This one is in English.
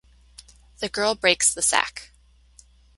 The girl breaks the sack.